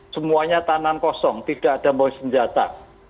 semuanya tangan kosong tidak ada membeli senjata